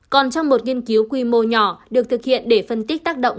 còn trong một nghiên cứu quy mô nhỏ được thực hiện để phân tích tác động